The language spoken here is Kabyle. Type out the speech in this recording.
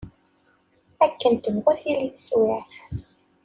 Akken tebɣu tili teswiɛt.